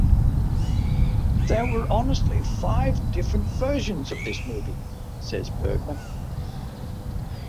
"There were honestly five different versions of this movie," says Bergman.